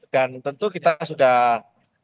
dan tentu kita sudah